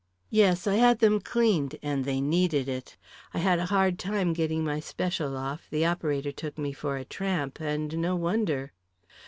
"Yes; I had them cleaned and they needed it. I had a hard time getting my special off the operator took me for a tramp and no wonder."